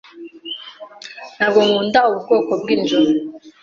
Ntabwo nkunda ubu bwoko bw'inzu.